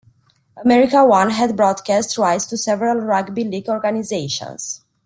America One had broadcast rights to several rugby league organizations.